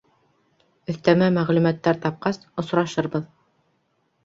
Өҫтәмә мәғлүмәттәр тапҡас, осрашырбыҙ...